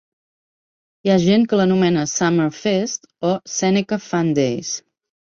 Hi ha gent que l'anomena Summer Fest o Seneca Fun Days.